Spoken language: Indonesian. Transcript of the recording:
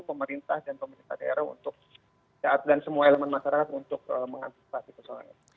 pemerintah dan pemerintah daerah untuk sehat dan semua elemen masyarakat untuk mengantisipasi persoalannya